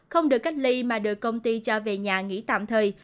không được cách ly mà được công ty cho về nhà nghỉ tạm thời